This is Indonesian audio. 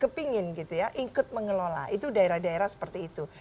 kepingin gitu ya ikut mengelola itu daerah daerah seperti itu